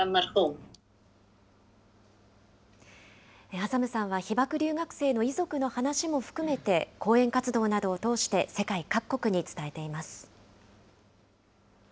アザムさんは被爆留学生の遺族の話も含めて、講演活動などを通して世界各国に伝えています。